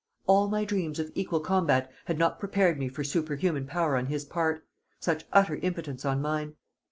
All my dreams of equal combat had not prepared me for superhuman power on his part, such utter impotence on mine.